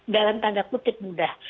dalam tanda kutip mudah